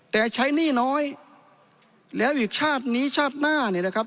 แต่ใช้หนี้น้อยแล้วอีกชาตินี้ชาติหน้าเนี่ยนะครับ